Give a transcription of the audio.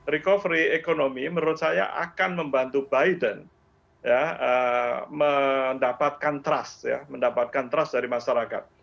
recovery ekonomi menurut saya akan membantu biden mendapatkan trust dari masyarakat